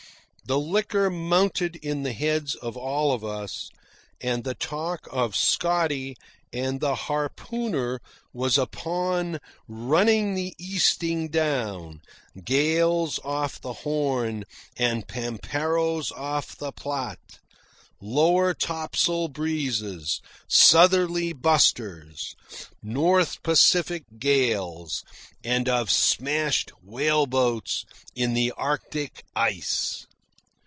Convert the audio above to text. The liquor mounted in the heads of all of us, and the talk of Scotty and the harpooner was upon running the Easting down, gales off the Horn and pamperos off the Plate, lower topsail breezes, southerly busters, North Pacific gales, and of smashed whaleboats in the Arctic ice.